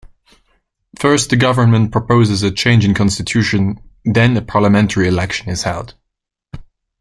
First a government proposes a change in constitution, then a parliamentary election is held.